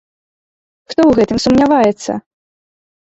Хто ў гэтым сумняваецца?